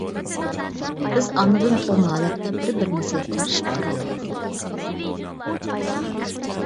بىز ئانىدىن تۇغما ھالەتتە، بىر-بىرىمىزگە قارىشىپ تۇراتتۇق.